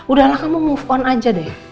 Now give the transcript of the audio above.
udahlah kamu move on aja deh